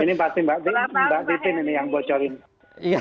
ini pasti mbak titin ini yang bocorin